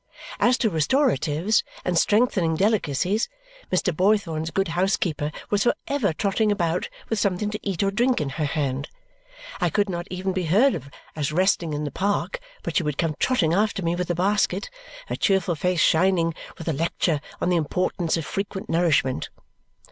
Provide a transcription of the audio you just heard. As to restoratives and strengthening delicacies, Mr. Boythorn's good housekeeper was for ever trotting about with something to eat or drink in her hand; I could not even be heard of as resting in the park but she would come trotting after me with a basket, her cheerful face shining with a lecture on the importance of frequent nourishment.